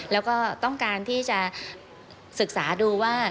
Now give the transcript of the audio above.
แล้วก็ต้องการที่จะศึกษาดูว่า